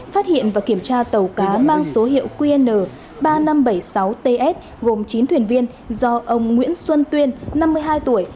phát hiện và kiểm tra tàu cá mang số hiệu qn ba nghìn năm trăm bảy mươi sáu ts gồm chín thuyền viên do ông nguyễn xuân tuyên năm mươi hai tuổi